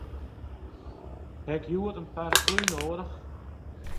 Ha ik hjoed in paraplu nedich?